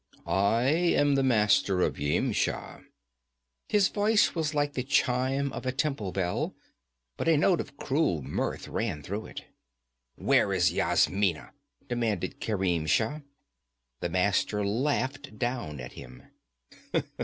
'I am the Master of Yimsha!' His voice was like the chime of a temple bell, but a note of cruel mirth ran through it. 'Where is Yasmina?' demanded Kerim Shah. The Master laughed down at him.